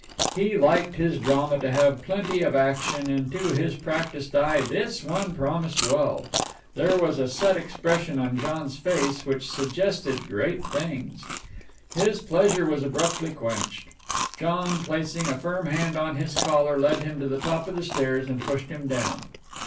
He liked his drama to have plenty of action, and to his practised eye this one promised well. There was a set expression on John's face which suggested great things. His pleasure was abruptly quenched. John, placing a firm hand on his collar, led him to the top of the stairs and pushed him down.